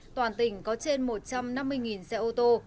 toàn tỉnh có trên một trăm năm mươi xe ô tô